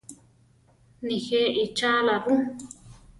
Nijé ichála ru?